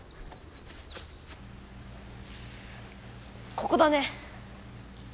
ここだね。